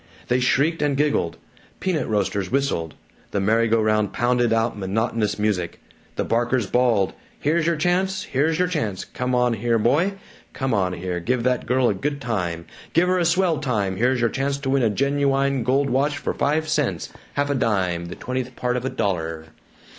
They shrieked and giggled; peanut roasters whistled; the merry go round pounded out monotonous music; the barkers bawled, "Here's your chance here's your chance come on here, boy come on here give that girl a good time give her a swell time here's your chance to win a genuwine gold watch for five cents, half a dime, the twentieth part of a dollah!"